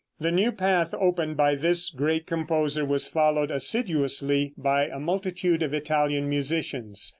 The new path opened by this great composer was followed assiduously by a multitude of Italian musicians.